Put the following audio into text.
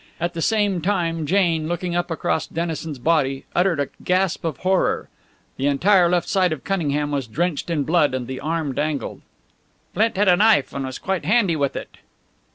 At the same time Jane, looking up across Dennison's body, uttered a gasp of horror. The entire left side of Cunningham was drenched in blood, and the arm dangled. "Flint had a knife and was quite handy with it."